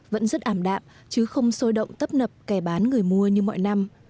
vẫn rất ảm đạm chứ không sôi động tấp nập kẻ bán người mua như mọi năm